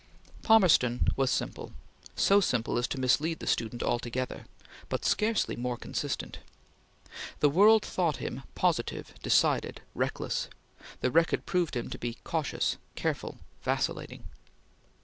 Palmerston was simple so simple as to mislead the student altogether but scarcely more consistent. The world thought him positive, decided, reckless; the record proved him to be cautious, careful, vacillating.